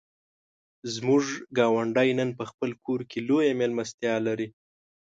زموږ ګاونډی نن په خپل کور کې لویه مېلمستیا لري.